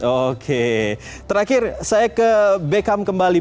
oke terakhir saya ke beckham kembali